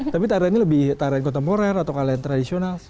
tapi tariannya lebih tarian kontemporer atau kalian tradisional